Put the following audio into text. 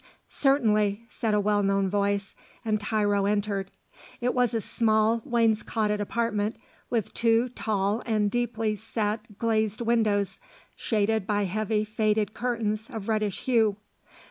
"Certainly," said a well known voice, and Tiro entered. It was a small, wainscotted apartment with two tall and deeply set glazed windows shaded by heavy, faded curtains of reddish hue.